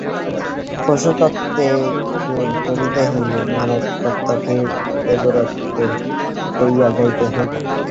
পশুত্বকে দূর করিতে হইবে, মানবত্বকে দেবত্বে লইয়া যাইতে হইবে।